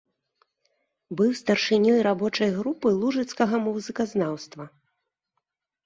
Быў старшынёй рабочай групы лужыцкага музыказнаўства.